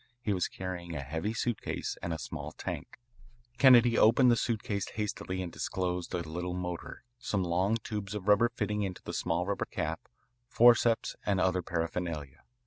He was carrying a heavy suitcase and a small tank. Kennedy opened the suitcase hastily and disclosed a little motor, some long tubes of rubber fitting into a small rubber cap, forceps, and other paraphernalia.